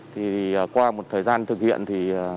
thì qua một thời gian thực hiện thì